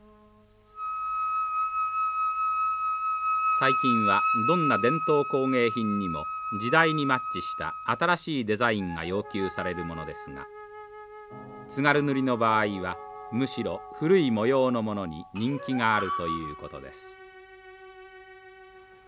最近はどんな伝統工芸品にも時代にマッチした新しいデザインが要求されるものですが津軽塗の場合はむしろ古い模様のものに人気があるということです。